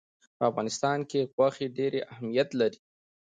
په افغانستان کې غوښې ډېر اهمیت لري.